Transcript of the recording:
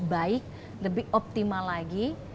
baik lebih optimal lagi